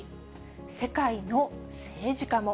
世界の政治家も。